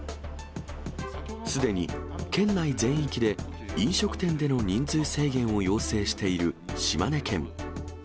すでに県内全域で飲食店での人数制限を要請している島根県。